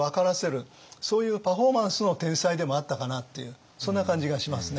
そういうパフォーマンスの天才でもあったかなっていうそんな感じがしますね。